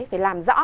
phải làm rõ